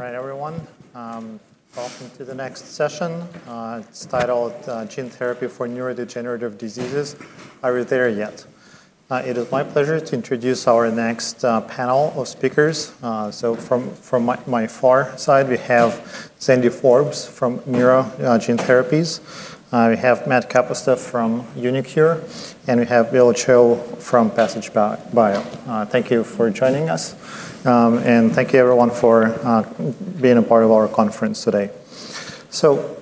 All right, everyone. Welcome to the next session. It's titled Gene Therapy for Neurodegenerative Diseases. Are we there yet? It is my pleasure to introduce our next panel of speakers. From my far side, we have Alexandria Forbes from MeiraGTx Therapies, Matt Kapusta from uniQure, and Will Chou from Passage Bio. Thank you for joining us. Thank you, everyone, for being a part of our conference today. To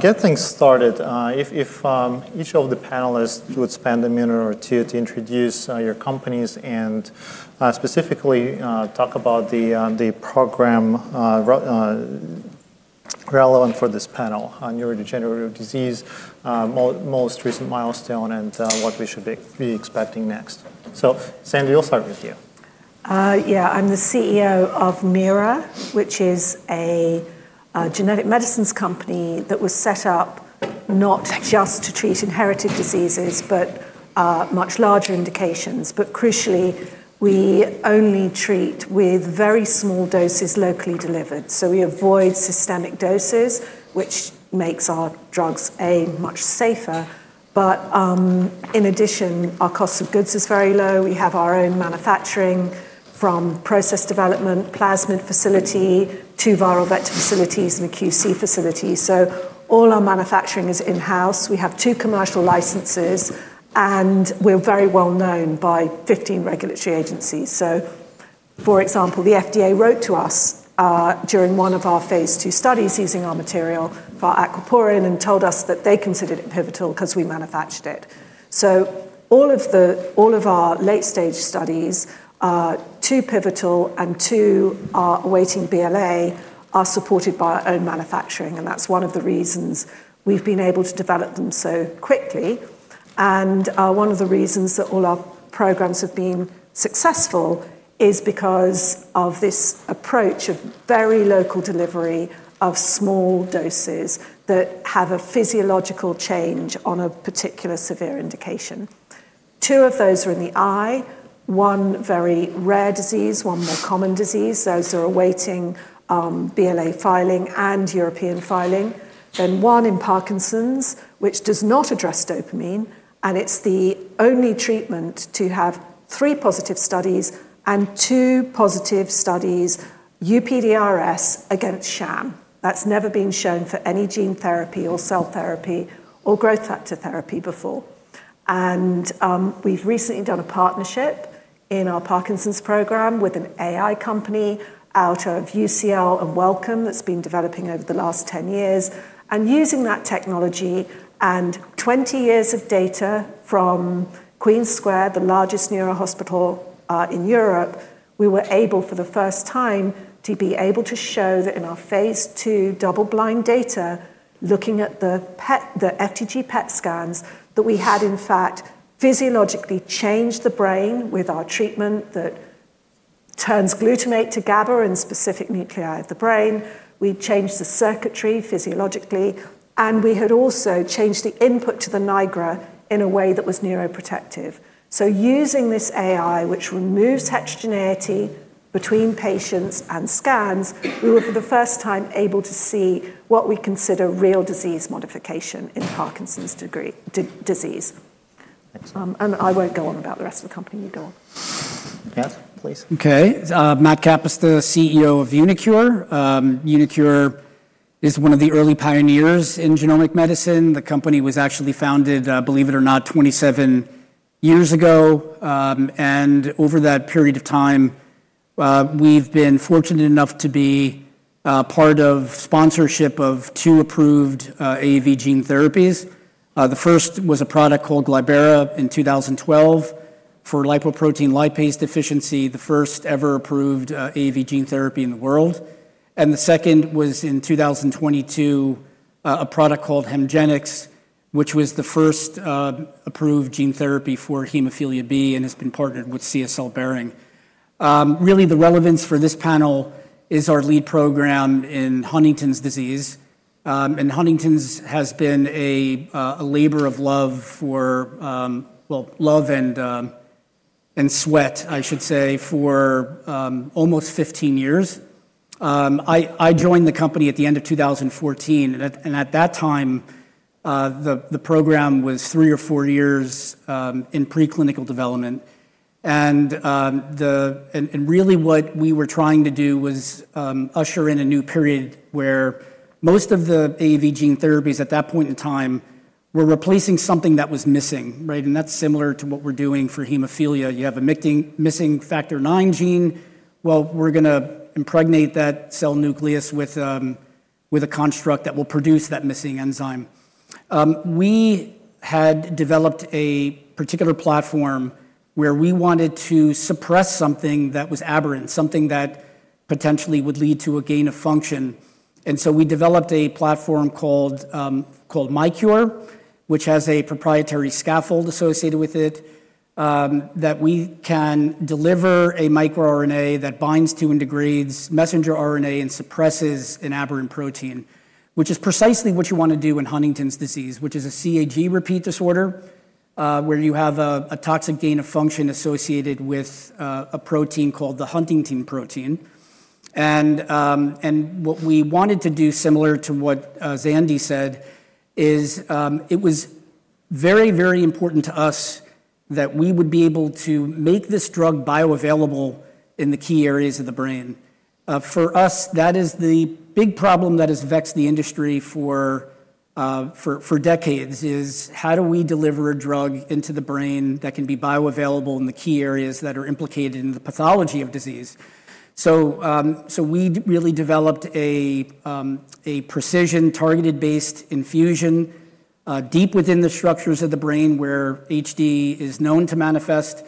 get things started, if each of the panelists would spend a minute or two to introduce your companies and specifically talk about the program relevant for this panel, Neurodegenerative Disease, most recent milestone, and what we should be expecting next. Alexandria, we'll start with you. Yeah, I'm the CEO of Meira, which is a genetic medicines company that was set up not just to treat inherited diseases, but much larger indications. Crucially, we only treat with very small doses locally delivered. We avoid systemic doses, which makes our drugs a much safer. In addition, our cost of goods is very low. We have our own manufacturing from process development, plasmid facility, to viral vector facilities, and QC facilities. All our manufacturing is in-house. We have two commercial licenses, and we're very well known by 15 regulatory agencies. For example, the FDA wrote to us during one of our phase II studies using our material for Aquaporin and told us that they considered it pivotal because we manufactured it. All of our late-stage studies, two pivotal and two awaiting BLA, are supported by our own manufacturing. That's one of the reasons we've been able to develop them so quickly. One of the reasons that all our programs have been successful is because of this approach of very local delivery of small doses that have a physiological change on a particular severe indication. Two of those are in the eye, one very rare disease, one more common disease. Those are awaiting BLA filing and European filing. One in Parkinson's, which does not address dopamine, and it's the only treatment to have three positive studies and two positive studies UPDRS against SHAM. That's never been shown for any gene therapy or cell therapy or growth factor therapy before. We've recently done a partnership in our Parkinson's program with an AI company out of UCL/Wellcome that's been developing over the last 10 years. Using that technology and 20 years of data from Queen's Square, the largest neurohospital in Europe, we were able for the first time to be able to show that in our phase two double-blind data, looking at the FDG PET scans, we had, in fact, physiologically changed the brain with our treatment that turns glutamate to GABA in specific nuclei of the brain. We changed the circuitry physiologically, and we had also changed the input to the NAGRA in a way that was neuroprotective. Using this AI, which removes heterogeneity between patients and scans, we were for the first time able to see what we consider real disease modification in Parkinson's disease. I won't go on about the rest of the company. You go on. Yes, please. OK. Matt Kapusta, CEO of uniQure. uniQure is one of the early pioneers in genomic medicine. The company was actually founded, believe it or not, 27 years ago. Over that period of time, we've been fortunate enough to be part of sponsorship of two approved AAV gene therapies. The first was a product called Glybera in 2012 for lipoprotein lipase deficiency, the first ever approved AAV gene therapy in the world. The second was in 2022, a product called Hemgenix, which was the first approved gene therapy for hemophilia B and has been partnered with CSL Behring. The relevance for this panel is our lead program in Huntington's disease. Huntington's has been a labor of love, love and sweat, I should say, for almost 15 years. I joined the company at the end of 2014. At that time, the program was three or four years in preclinical development. What we were trying to do was usher in a new period where most of the AAV gene therapies at that point in time were replacing something that was missing. That's similar to what we're doing for hemophilia. You have a missing factor IX gene. We're going to impregnate that cell nucleus with a construct that will produce that missing enzyme. We had developed a particular platform where we wanted to suppress something that was aberrant, something that potentially would lead to a gain of function. We developed a platform called miQURE, which has a proprietary scaffold associated with it that we can deliver a microRNA that binds to and degrades messenger RNA and suppresses an aberrant protein, which is precisely what you want to do in Huntington's disease, which is a CAG repeat disorder where you have a toxic gain of function associated with a protein called the huntingtin protein. What we wanted to do, similar to what Xandy said, is it was very, very important to us that we would be able to make this drug bioavailable in the key areas of the brain. For us, that is the big problem that has vexed the industry for decades, how do we deliver a drug into the brain that can be bioavailable in the key areas that are implicated in the pathology of disease? We really developed a precision targeted-based infusion deep within the structures of the brain where HD is known to manifest,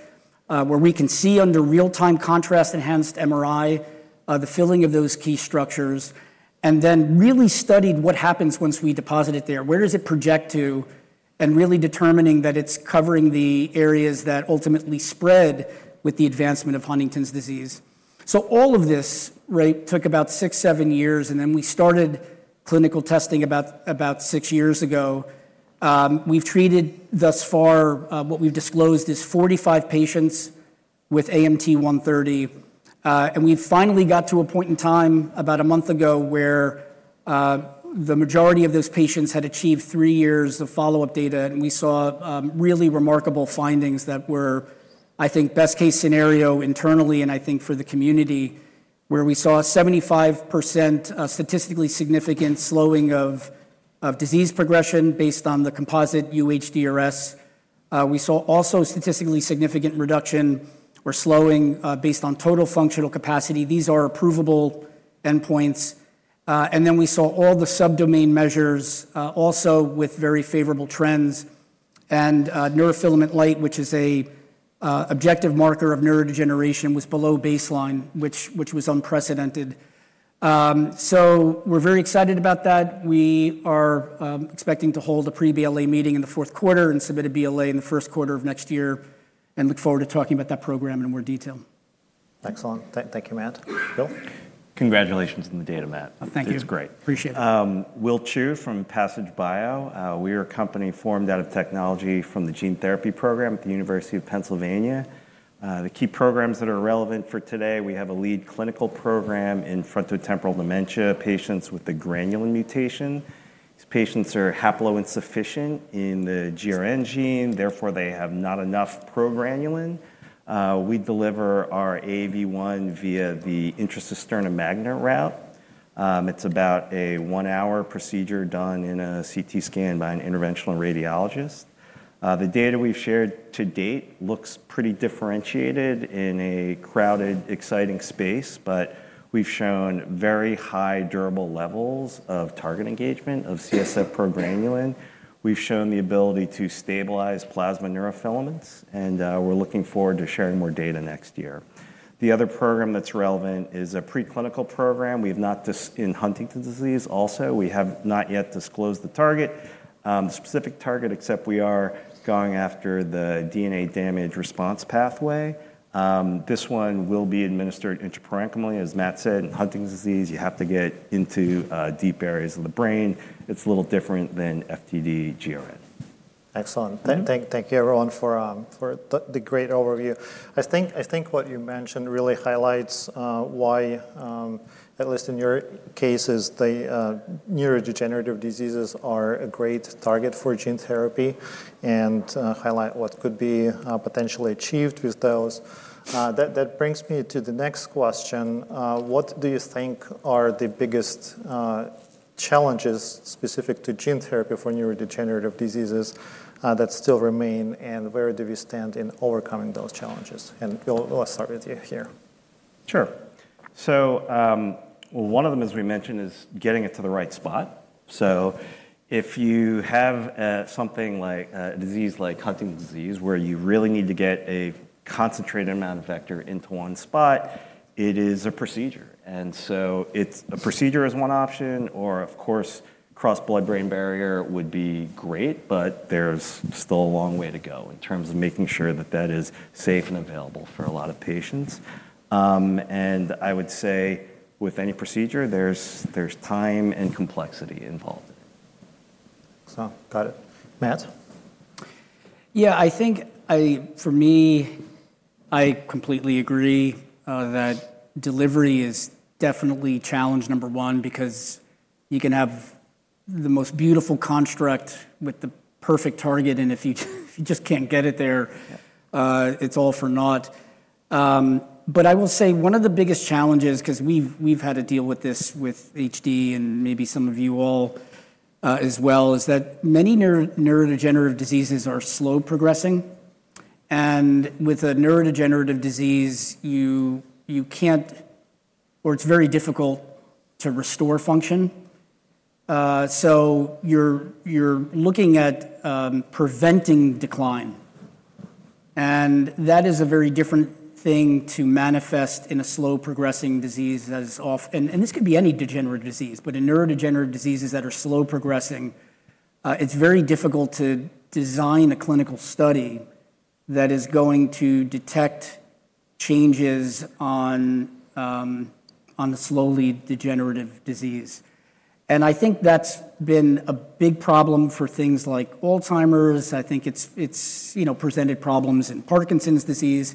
where we can see under real-time contrast-enhanced MRI the filling of those key structures, and then really studied what happens once we deposit it there. Where does it project to? Really determining that it's covering the areas that ultimately spread with the advancement of Huntington's disease. All of this took about six or seven years. We started clinical testing about six years ago. We've treated, thus far, what we've disclosed is 45 patients with AMT-130. We finally got to a point in time about a month ago where the majority of those patients had achieved three years of follow-up data. We saw really remarkable findings that were, I think, best case scenario internally and I think for the community, where we saw a 75% statistically significant slowing of disease progression based on the composite UHDRS. We also saw a statistically significant reduction or slowing based on total functional capacity. These are provable endpoints. We saw all the subdomain measures also with very favorable trends. Neurofilament light, which is an objective marker of neurodegeneration, was below baseline, which was unprecedented. We're very excited about that. We are expecting to hold a pre-BLA meeting in the fourth quarter and submit a BLA in the first quarter of next year and look forward to talking about that program in more detail. Excellent. Thank you, Matt. Bill? Congratulations on the data, Matt. Thank you. It's great. Appreciate it. Will Chou from Passage Bio. We are a company formed out of technology from the Gene Therapy Program at the University of Pennsylvania. The key programs that are relevant for today, we have a lead clinical program in frontotemporal dementia patients with the GRN mutation. These patients are haploinsufficient in the GRN gene. Therefore, they have not enough progranulin. We deliver our AAV1 via the intracisterna magna route. It's about a one-hour procedure done in a CT scan by an interventional radiologist. The data we've shared to date looks pretty differentiated in a crowded, exciting space. We've shown very high durable levels of target engagement of CSF progranulin. We've shown the ability to stabilize plasma neurofilaments. We're looking forward to sharing more data next year. The other program that's relevant is a preclinical program. We have not in Huntington's disease also. We have not yet disclosed the target, the specific target, except we are going after the DNA damage response pathway. This one will be administered intraparenchymally. As Matt said, in Huntington's disease, you have to get into deep areas of the brain. It's a little different than FTD GRN. Excellent. Thank you, everyone, for the great overview. I think what you mentioned really highlights why, at least in your cases, the neurodegenerative diseases are a great target for gene therapy and highlight what could be potentially achieved with those. That brings me to the next question. What do you think are the biggest challenges specific to gene therapy for neurodegenerative diseases that still remain? Where do we stand in overcoming those challenges? We'll start with you here. Sure. One of them, as we mentioned, is getting it to the right spot. If you have something like a disease like Huntington's disease where you really need to get a concentrated amount of vector into one spot, it is a procedure. A procedure is one option. Of course, cross-blood-brain barrier would be great. There's still a long way to go in terms of making sure that that is safe and available for a lot of patients. I would say with any procedure, there's time and complexity involved. Excellent. Got it. Matt? Yeah, I think for me, I completely agree that delivery is definitely challenge number one because you can have the most beautiful construct with the perfect target, and if you just can't get it there, it's all for naught. I will say one of the biggest challenges, because we've had to deal with this with HD and maybe some of you all as well, is that many neurodegenerative diseases are slow progressing. With a neurodegenerative disease, you can't, or it's very difficult to restore function, so you're looking at preventing decline. That is a very different thing to manifest in a slow progressing disease, and this could be any degenerative disease. In neurodegenerative diseases that are slow progressing, it's very difficult to design a clinical study that is going to detect changes on a slowly degenerative disease. I think that's been a big problem for things like Alzheimer's. I think it's presented problems in Parkinson's disease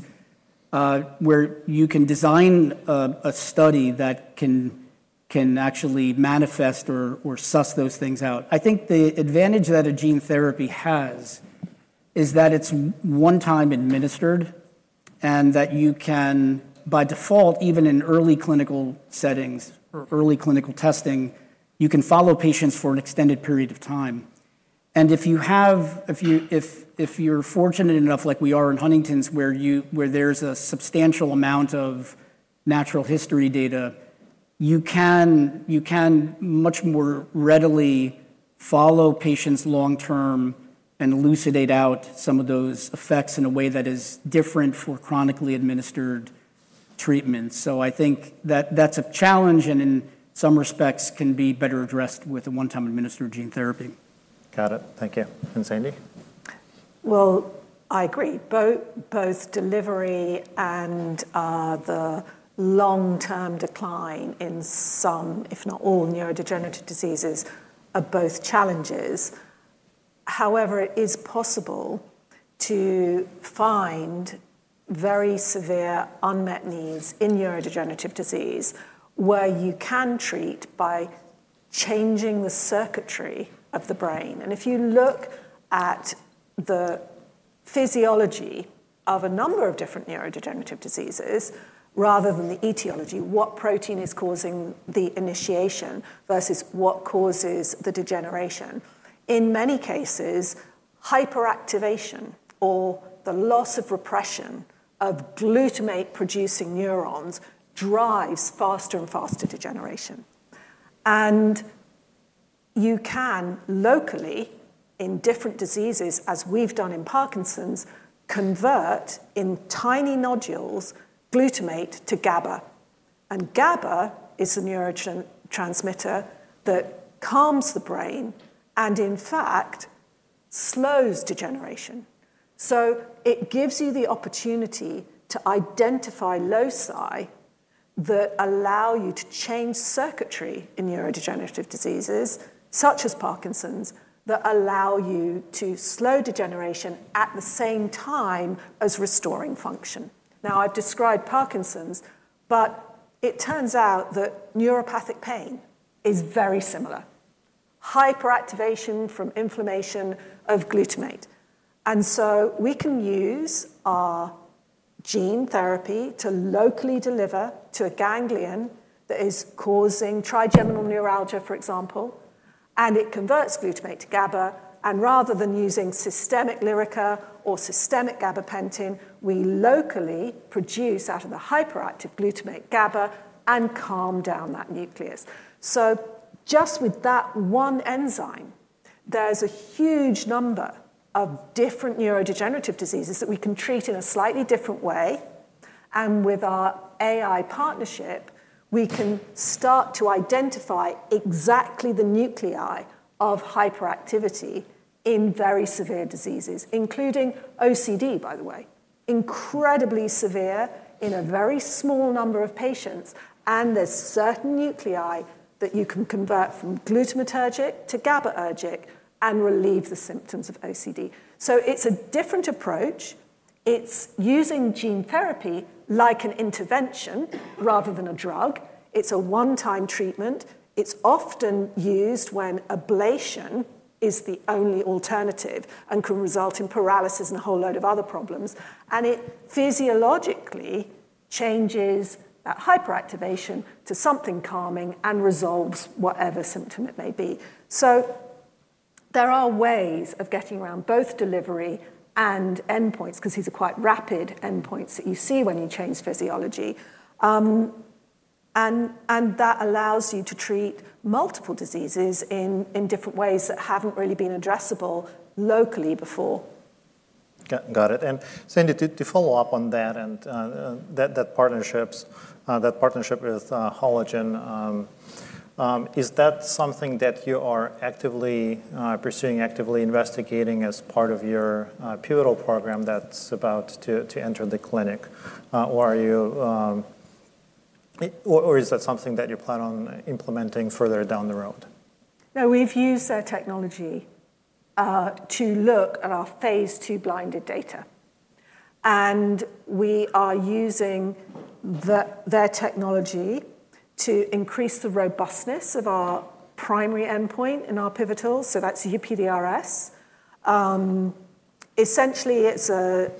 where you can design a study that can actually manifest or suss those things out. I think the advantage that a gene therapy has is that it's one time administered and that you can, by default, even in early clinical settings or early clinical testing, follow patients for an extended period of time. If you're fortunate enough, like we are in Huntington's, where there's a substantial amount of natural history data, you can much more readily follow patients long term and elucidate out some of those effects in a way that is different for chronically administered treatments. I think that that's a challenge and in some respects can be better addressed with a one-time administered gene therapy. Got it. Thank you. Xandy? I agree. Both delivery and the long-term decline in some, if not all, neurodegenerative diseases are both challenges. However, it is possible to find very severe unmet needs in neurodegenerative disease where you can treat by changing the circuitry of the brain. If you look at the physiology of a number of different neurodegenerative diseases, rather than the etiology, what protein is causing the initiation versus what causes the degeneration, in many cases, hyperactivation or the loss of repression of glutamate-producing neurons drives faster and faster degeneration. You can locally, in different diseases, as we've done in Parkinson's, convert in tiny nodules glutamate to GABA. GABA is a neurotransmitter that calms the brain and, in fact, slows degeneration. It gives you the opportunity to identify loci that allow you to change circuitry in neurodegenerative diseases, such as Parkinson's, that allow you to slow degeneration at the same time as restoring function. I've described Parkinson's, but it turns out that neuropathic pain is very similar, hyperactivation from inflammation of glutamate. We can use our gene therapy to locally deliver to a ganglion that is causing trigeminal neuralgia, for example. It converts glutamate to GABA. Rather than using systemic Lyrica or systemic gabapentin, we locally produce out of the hyperactive glutamate GABA and calm down that nucleus. Just with that one enzyme, there's a huge number of different neurodegenerative diseases that we can treat in a slightly different way. With our AI partnership, we can start to identify exactly the nuclei of hyperactivity in very severe diseases, including OCD, by the way, incredibly severe in a very small number of patients. There are certain nuclei that you can convert from glutamatergic to GABAergic and relieve the symptoms of OCD. It's a different approach. It's using gene therapy like an intervention rather than a drug. It's a one-time treatment. It's often used when ablation is the only alternative and can result in paralysis and a whole load of other problems. It physiologically changes that hyperactivation to something calming and resolves whatever symptom it may be. There are ways of getting around both delivery and endpoints, because these are quite rapid endpoints that you see when you change physiology. That allows you to treat multiple diseases in different ways that haven't really been addressable locally before. Got it. Xandy, to follow up on that partnership with Hologen, is that something that you are actively pursuing, actively investigating as part of your pivotal program that's about to enter the clinic? Is that something that you plan on implementing further down the road? No, we've used their technology to look at our phase II blinded data. We are using their technology to increase the robustness of our primary endpoint in our pivotal. That's UPDRS. Essentially, it's a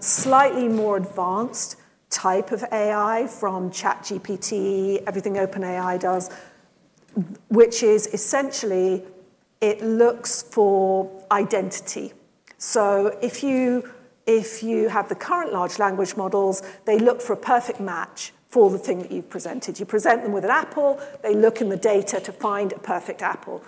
slightly more advanced type of AI from ChatGPT, everything OpenAI does, which is essentially it looks for identity. If you have the current large language models, they look for a perfect match for the thing that you've presented. You present them with an apple. They look in the data to find a perfect apple.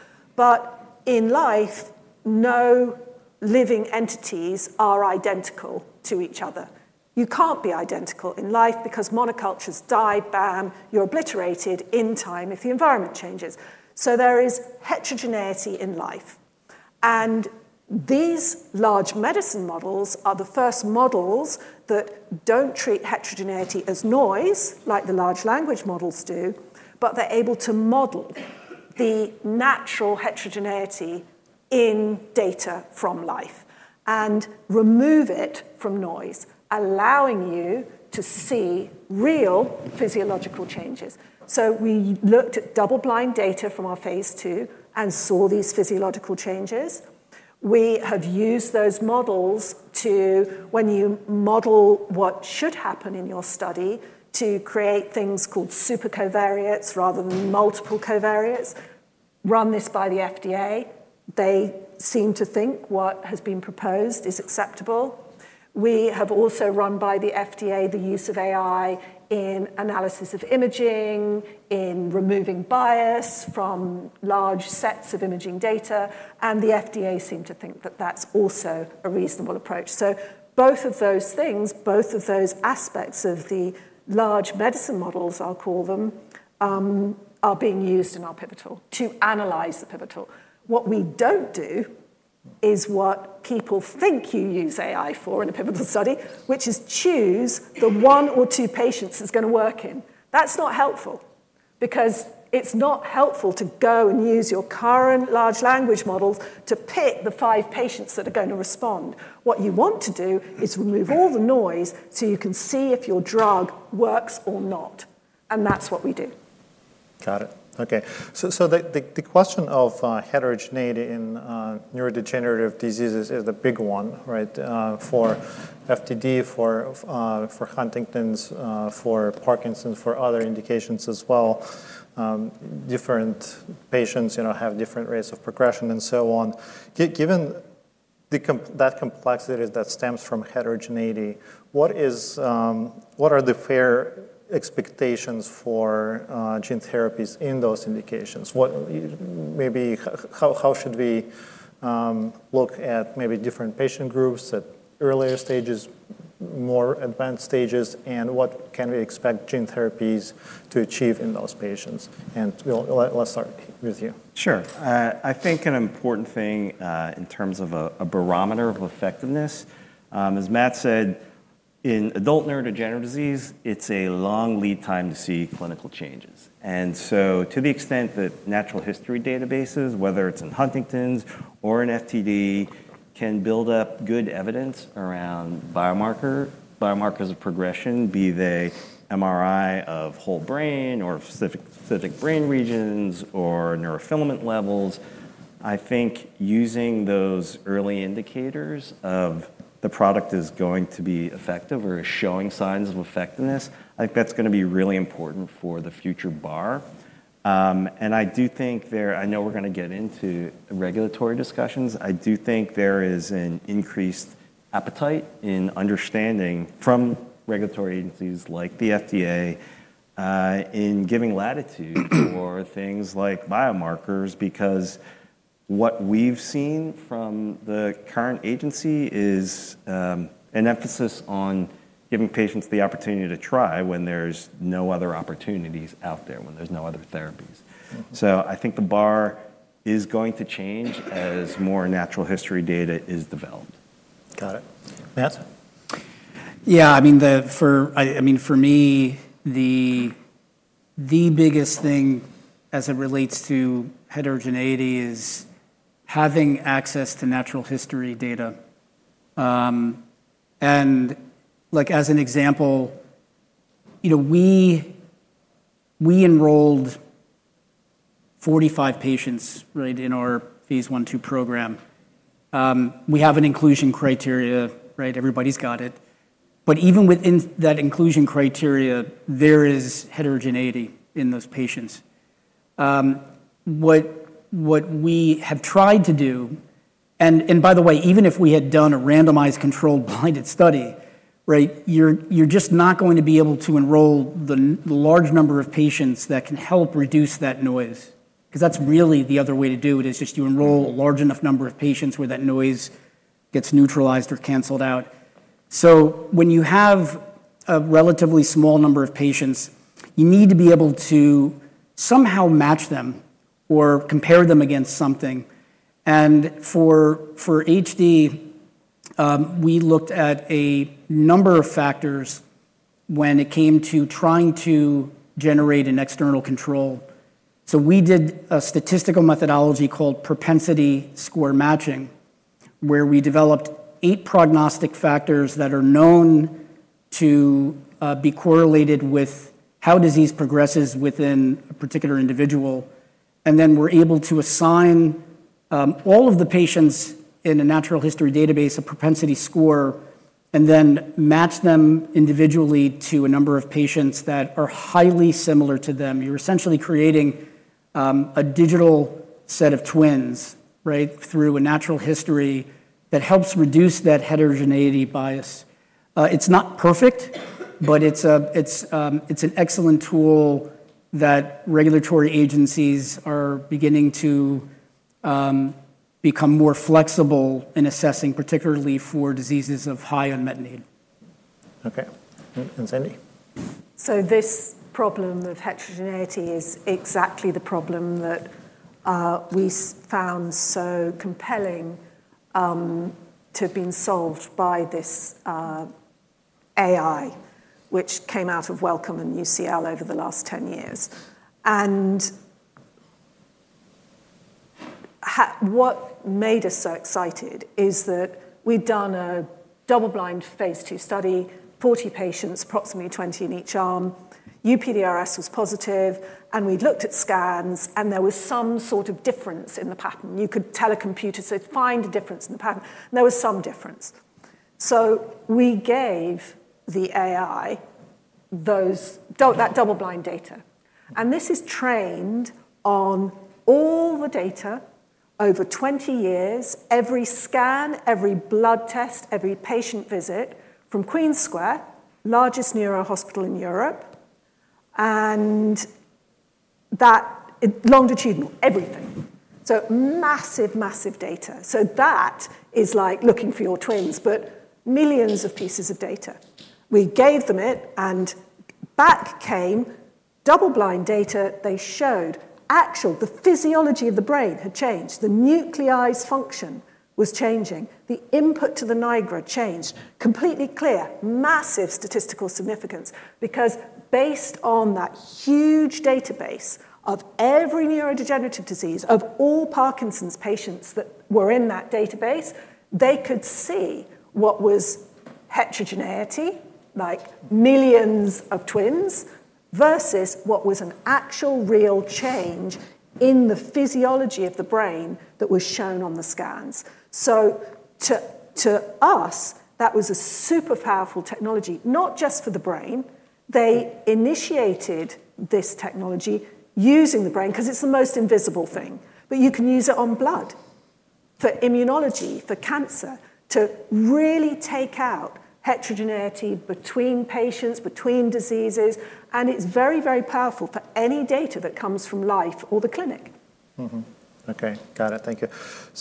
In life, no living entities are identical to each other. You can't be identical in life because monocultures die, bam. You're obliterated in time if the environment changes. There is heterogeneity in life. These large medicine models are the first models that don't treat heterogeneity as noise, like the large language models do. They're able to model the natural heterogeneity in data from life and remove it from noise, allowing you to see real physiological changes. We looked at double-blind data from our phase II and saw these physiological changes. We have used those models to, when you model what should happen in your study, create things called supercovariates rather than multiple covariates. We ran this by the FDA. They seem to think what has been proposed is acceptable. We have also run by the FDA the use of AI in analysis of imaging, in removing bias from large sets of imaging data. The FDA seemed to think that that's also a reasonable approach. Both of those things, both of those aspects of the large medicine models, I'll call them, are being used in our pivotal to analyze the pivotal. What we don't do is what people think you use AI for in a pivotal study, which is choose the one or two patients it's going to work in. That's not helpful because it's not helpful to go and use your current large language models to pick the five patients that are going to respond. What you want to do is remove all the noise so you can see if your drug works or not. That's what we do. Got it. OK. The question of heterogeneity in neurodegenerative diseases is the big one, right, for frontotemporal dementia with GRN mutations, for Huntington's, for Parkinson's, for other indications as well. Different patients have different rates of progression and so on. Given that complexity that stems from heterogeneity, what are the fair expectations for gene therapies in those indications? Maybe how should we look at different patient groups at earlier stages, more advanced stages? What can we expect gene therapies to achieve in those patients? We'll start with you. Sure. I think an important thing in terms of a barometer of effectiveness, as Matt said, in adult neurodegenerative disease, it's a long lead time to see clinical changes. To the extent that natural history databases, whether it's in Huntington's or in FTD, can build up good evidence around biomarkers of progression, be they MRI of whole brain or specific brain regions or neurofilament levels, I think using those early indicators of the product is going to be effective or is showing signs of effectiveness, that's going to be really important for the future bar. I do think there, I know we're going to get into regulatory discussions. I do think there is an increased appetite in understanding from regulatory agencies like the FDA in giving latitude for things like biomarkers because what we've seen from the current agency is an emphasis on giving patients the opportunity to try when there's no other opportunities out there, when there's no other therapies. I think the bar is going to change as more natural history data is developed. Got it. Matt? Yeah, I mean, for me, the biggest thing as it relates to heterogeneity is having access to natural history data. As an example, we enrolled 45 patients in our phase I-II program. We have an inclusion criteria. Everybody's got it. Even within that inclusion criteria, there is heterogeneity in those patients. What we have tried to do, even if we had done a randomized controlled blinded study, you're just not going to be able to enroll the large number of patients that can help reduce that noise. That's really the other way to do it, you enroll a large enough number of patients where that noise gets neutralized or canceled out. When you have a relatively small number of patients, you need to be able to somehow match them or compare them against something. For HD, we looked at a number of factors when it came to trying to generate an external control. We did a statistical methodology called Propensity Score Matching, where we developed eight prognostic factors that are known to be correlated with how disease progresses within a particular individual. Then we're able to assign all of the patients in a natural history database a propensity score and then match them individually to a number of patients that are highly similar to them. You're essentially creating a digital set of twins through a natural history that helps reduce that heterogeneity bias. It's not perfect, but it's an excellent tool that regulatory agencies are beginning to become more flexible in assessing, particularly for diseases of high unmet need. OK. Xandy? This problem of heterogeneity is exactly the problem that we found so compelling to have been solved by this AI, which came out of Wellcome and UCL over the last 10 years. What made us so excited is that we'd done a double-blind phase two study, 40 patients, approximately 20 in each arm. UPDRS was positive. We looked at scans, and there was some sort of difference in the pattern. You could tell a computer to find a difference in the pattern, and there was some difference. We gave the AI that double-blind data. This is trained on all the data over 20 years, every scan, every blood test, every patient visit from Queen's Square, largest neurohospital in Europe, and longitudinal, everything. Massive, massive data. That is like looking for your twins, but millions of pieces of data. We gave them it, and back came double-blind data. They showed actual physiology of the brain had changed. The nuclei's function was changing. The input to the NAGRA changed. Completely clear, massive statistical significance. Based on that huge database of every neurodegenerative disease of all Parkinson's patients that were in that database, they could see what was heterogeneity, like millions of twins, versus what was an actual real change in the physiology of the brain that was shown on the scans. To us, that was a super powerful technology, not just for the brain. They initiated this technology using the brain because it's the most invisible thing, but you can use it on blood, for immunology, for cancer, to really take out heterogeneity between patients, between diseases. It's very, very powerful for any data that comes from life or the clinic. OK. Got it. Thank you.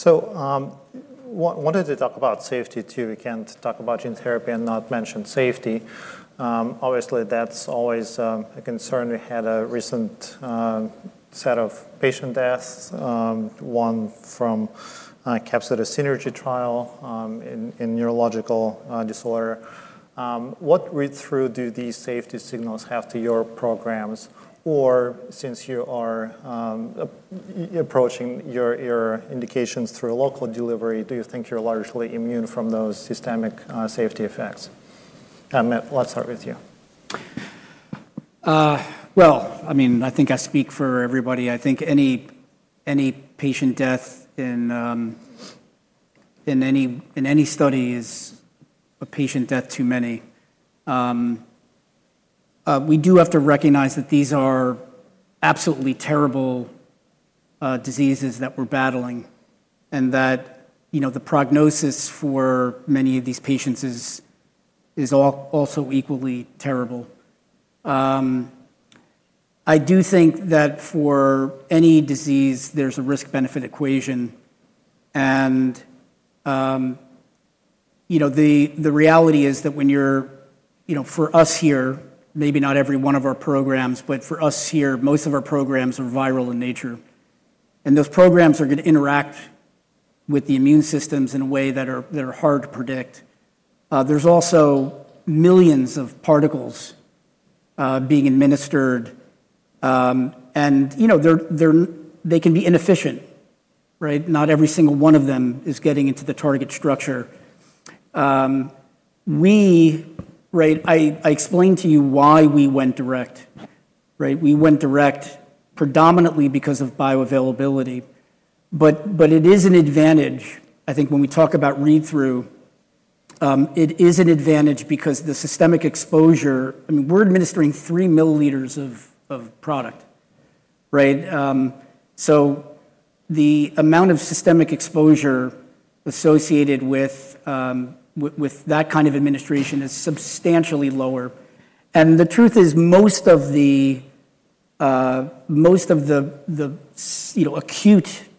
I wanted to talk about safety too. We can't talk about gene therapy and not mention safety. Obviously, that's always a concern. We had a recent set of patient deaths, one from a capsular synergy trial in neurological disorder. What read-through do these safety signals have to your programs? Since you are approaching your indications through local delivery, do you think you're largely immune from those systemic safety effects? Matt, let's start with you. I think I speak for everybody. I think any patient death in any study is a patient death too many. We do have to recognize that these are absolutely terrible diseases that we're battling and that the prognosis for many of these patients is also equally terrible. I do think that for any disease, there's a risk-benefit equation. The reality is that when you're, for us here, maybe not every one of our programs, but for us here, most of our programs are viral in nature. Those programs are going to interact with the immune systems in a way that are hard to predict. There are also millions of particles being administered, and they can be inefficient. Not every single one of them is getting into the target structure. I explained to you why we went direct. We went direct predominantly because of bioavailability. It is an advantage. I think when we talk about read-through, it is an advantage because the systemic exposure, I mean, we're administering 3 mL of product. The amount of systemic exposure associated with that kind of administration is substantially lower. The truth is most of the acute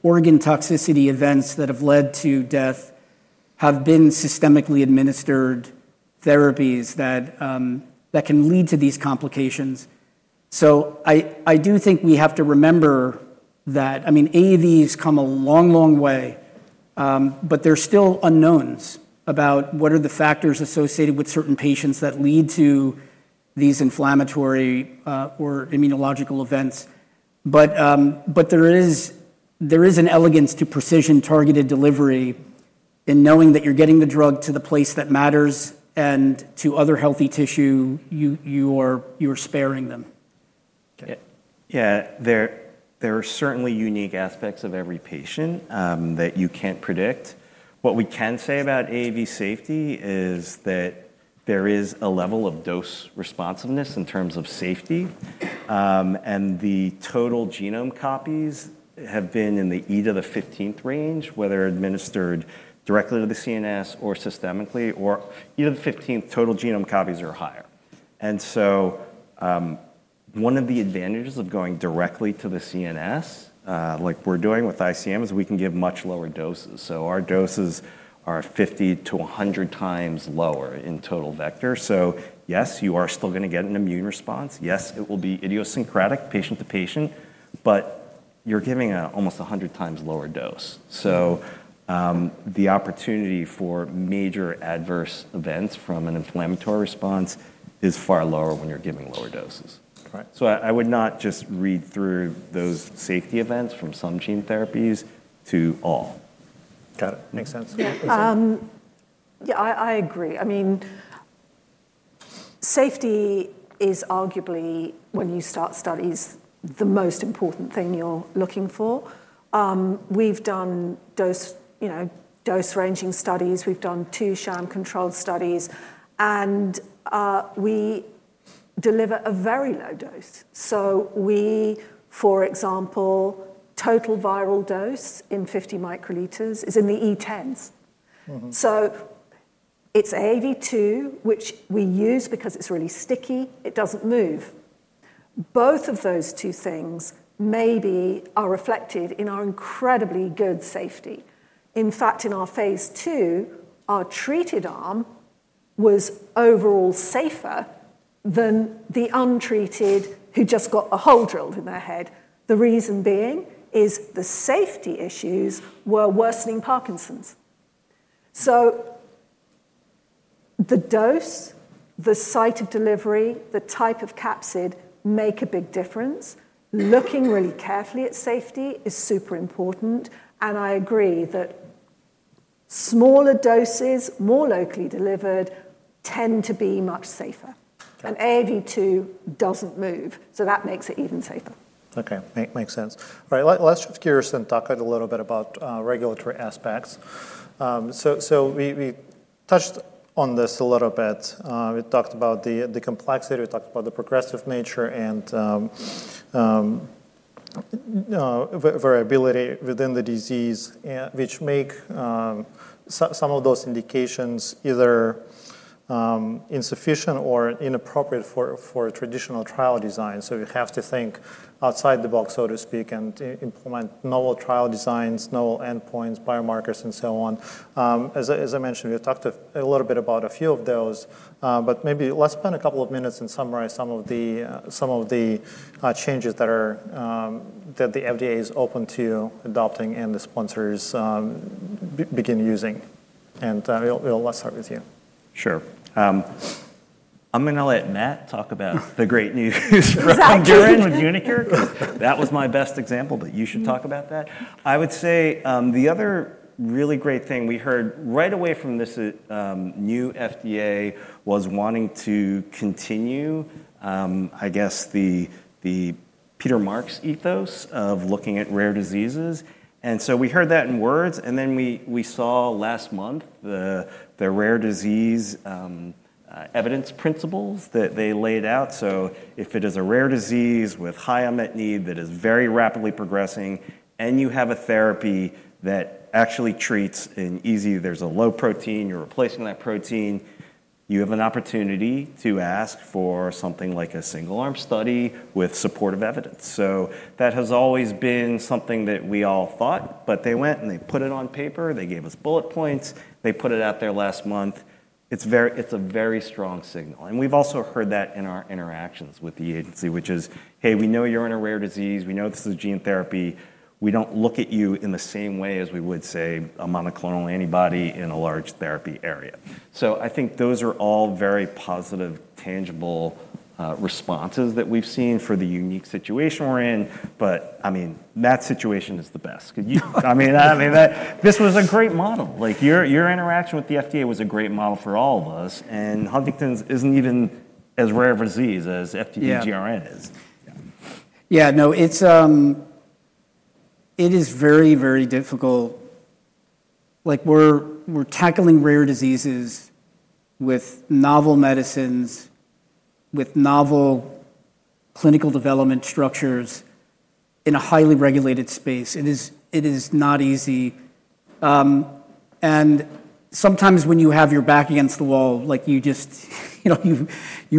organ toxicity events that have led to death have been systemically administered therapies that can lead to these complications. I do think we have to remember that AAVs come a long, long way. There are still unknowns about what are the factors associated with certain patients that lead to these inflammatory or immunological events. There is an elegance to precision targeted delivery in knowing that you're getting the drug to the place that matters and to other healthy tissue, you are sparing them. Yeah, there are certainly unique aspects of every patient that you can't predict. What we can say about AAV safety is that there is a level of dose responsiveness in terms of safety. The total genome copies have been in the 10^15 range, whether administered directly to the CNS or systemically. At 10^15, total genome copies are higher. One of the advantages of going directly to the CNS, like we're doing with ICM, is we can give much lower doses. Our doses are 50-100x lower in total vector. Yes, you are still going to get an immune response. Yes, it will be idiosyncratic, patient to patient. You're giving almost 100x lower dose. The opportunity for major adverse events from an inflammatory response is far lower when you're giving lower doses. I would not just read through those safety events from some gene therapies to all. Got it. Makes sense. Yeah, I agree. I mean, safety is arguably, when you start studies, the most important thing you're looking for. We've done dose-ranging studies. We've done two SHAM-controlled studies. We deliver a very low dose. For example, total viral dose in 50 µL is in the E10s. It's AAV2, which we use because it's really sticky. It doesn't move. Both of those two things maybe are reflected in our incredibly good safety. In fact, in our phase II, our treated arm was overall safer than the untreated who just got a hole drilled in their head. The reason being is the safety issues were worsening Parkinson's. The dose, the site of delivery, the type of capsid make a big difference. Looking really carefully at safety is super important. I agree that smaller doses, more locally delivered, tend to be much safer. AAV2 doesn't move. That makes it even safer. OK. Makes sense. All right. Let's shift gears and talk a little bit about regulatory aspects. We touched on this a little bit. We talked about the complexity. We talked about the progressive nature and variability within the disease, which make some of those indications either insufficient or inappropriate for traditional trial design. We have to think outside the box, so to speak, and implement novel trial designs, novel endpoints, biomarkers, and so on. As I mentioned, we've talked a little bit about a few of those. Maybe let's spend a couple of minutes and summarize some of the changes that the FDA is open to adopting and the sponsors begin using. Let's start with you. Sure. I'm going to let Matt talk about the great news from Duran with uniQure because that was my best example. You should talk about that. I would say the other really great thing we heard right away from this new FDA was wanting to continue, I guess, the Peter Marks ethos of looking at rare diseases. We heard that in words, and then we saw last month the rare disease evidence principles that they laid out. If it is a rare disease with high unmet need that is very rapidly progressing and you have a therapy that actually treats an easy, there's a low protein, you're replacing that protein, you have an opportunity to ask for something like a single-arm study with supportive evidence. That has always been something that we all thought, but they went and they put it on paper. They gave us bullet points. They put it out there last month. It's a very strong signal. We've also heard that in our interactions with the agency, which is, hey, we know you're in a rare disease. We know this is gene therapy. We don't look at you in the same way as we would, say, a monoclonal antibody in a large therapy area. I think those are all very positive, tangible responses that we've seen for the unique situation we're in. That situation is the best. This was a great model. Your interaction with the FDA was a great model for all of us. Huntington's isn't even as rare a disease as frontotemporal dementia with GRN mutations is. Yeah, no, it is very, very difficult. We're tackling rare diseases with novel medicines, with novel clinical development structures in a highly regulated space. It is not easy. Sometimes when you have your back against the wall, you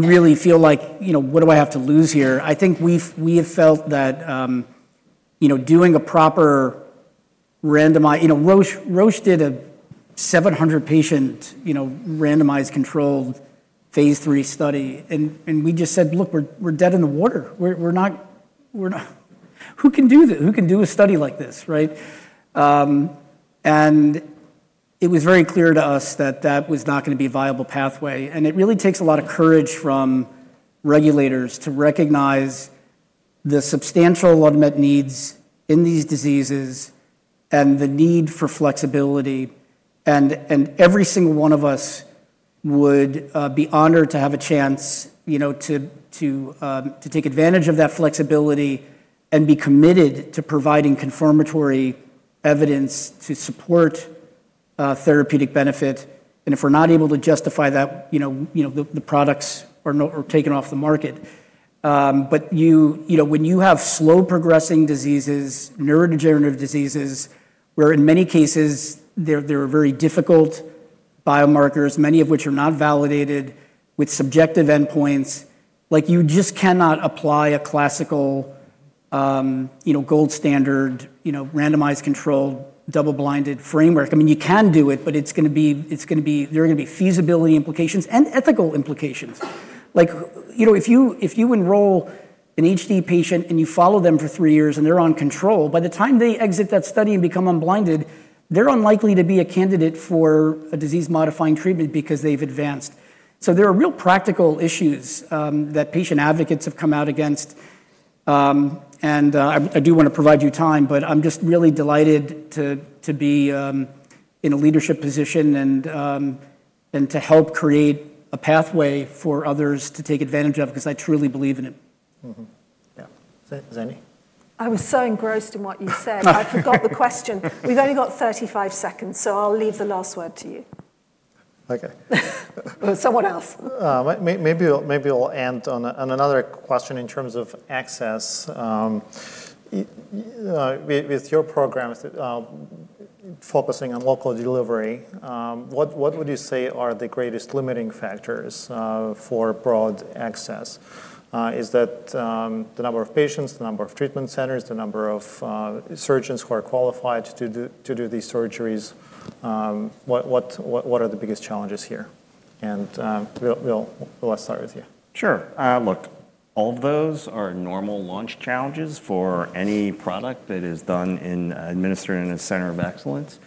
really feel like, what do I have to lose here? I think we have felt that doing a proper randomized, Roche did a 700-patient randomized controlled phase three study. We just said, look, we're dead in the water. Who can do a study like this? It was very clear to us that that was not going to be a viable pathway. It really takes a lot of courage from regulators to recognize the substantial unmet needs in these diseases and the need for flexibility. Every single one of us would be honored to have a chance to take advantage of that flexibility and be committed to providing confirmatory evidence to support therapeutic benefit. If we're not able to justify that, the products are taken off the market. When you have slow progressing diseases, neurodegenerative diseases, where in many cases there are very difficult biomarkers, many of which are not validated with subjective endpoints, you just cannot apply a classical gold standard randomized controlled double-blinded framework. I mean, you can do it. There are going to be feasibility implications and ethical implications. If you enroll an HD patient and you follow them for three years and they're on control, by the time they exit that study and become unblinded, they're unlikely to be a candidate for a disease-modifying treatment because they've advanced. There are real practical issues that patient advocates have come out against. I do want to provide you time. I'm just really delighted to be in a leadership position and to help create a pathway for others to take advantage of because I truly believe in it. Yeah. Xandy? I was so engrossed in what you said, I forgot the question. We've only got 35 seconds, so I'll leave the last word to you. OK. Someone else. Maybe we'll end on another question in terms of access. With your program focusing on local delivery, what would you say are the greatest limiting factors for broad access? Is that the number of patients, the number of treatment centers, the number of surgeons who are qualified to do these surgeries? What are the biggest challenges here? Let's start with you. Sure. Look, all of those are normal launch challenges for any product that is administered in a center of excellence.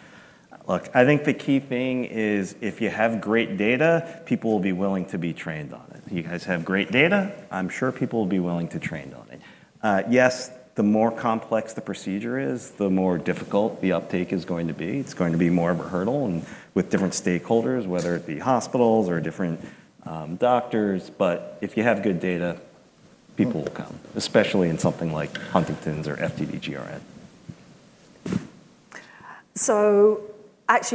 I think the key thing is if you have great data, people will be willing to be trained on it. You guys have great data. I'm sure people will be willing to train on it. Yes, the more complex the procedure is, the more difficult the uptake is going to be. It is going to be more of a hurdle with different stakeholders, whether it be hospitals or different doctors. If you have good data, people will come, especially in something like Huntington's or frontotemporal dementia with GRN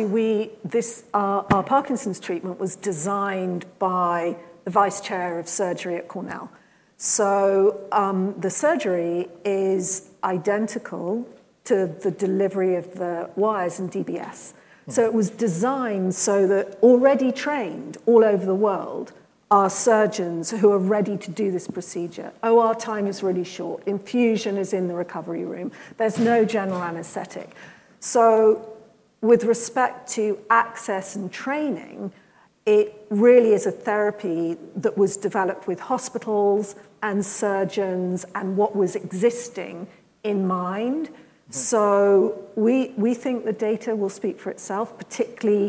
mutations. Our Parkinson’s treatment was designed by the Vice Chair of Surgery at Cornell. The surgery is identical to the delivery of the wires in DBS. It was designed so that already trained all over the world are surgeons who are ready to do this procedure. OR time is really short. Infusion is in the recovery room. There’s no general anesthetic. With respect to access and training, it really is a therapy that was developed with hospitals and surgeons and what was existing in mind. We think the data will speak for itself, particularly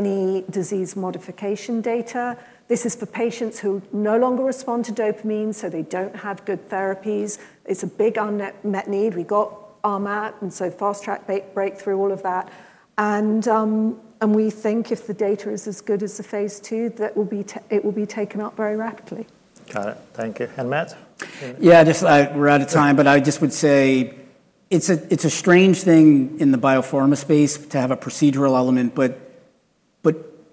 any disease modification data. This is for patients who no longer respond to dopamine, so they don’t have good therapies. It’s a big unmet need. We got RMAP and fast track breakthrough, all of that. We think if the data is as good as the phase two, it will be taken up very rapidly. Got it. Thank you. Matt? Yeah, we're out of time. I just would say it's a strange thing in the biopharma space to have a procedural element.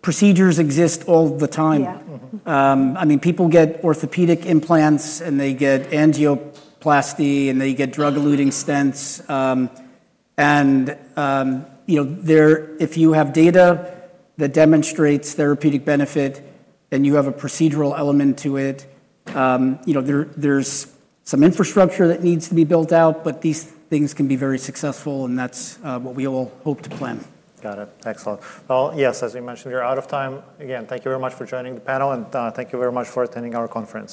Procedures exist all the time. I mean, people get orthopedic implants, they get angioplasty, and they get drug-eluting stents. If you have data that demonstrates therapeutic benefit and you have a procedural element to it, there's some infrastructure that needs to be built out. These things can be very successful, and that's what we all hope to plan. Got it. Excellent. Yes, as we mentioned, we are out of time. Again, thank you very much for joining the panel, and thank you very much for attending our conference.